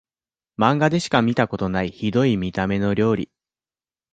マンガでしか見たことないヒドい見た目の料理